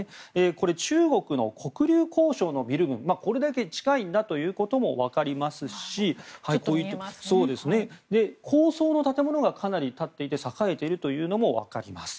これは中国の黒竜江省のビルでこれだけ近いんだということも分かりますし高層の建物がかなり立っていて栄えているというのも分かります。